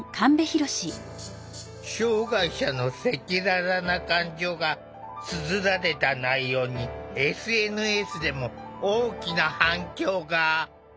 障害者の赤裸々な感情がつづられた内容にＳＮＳでも大きな反響が。